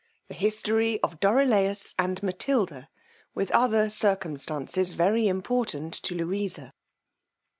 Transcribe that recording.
The history of Dorilaus and Matilda, with other circumstances very important to Louisa.